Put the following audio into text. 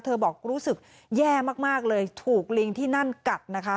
บอกรู้สึกแย่มากเลยถูกลิงที่นั่นกัดนะคะ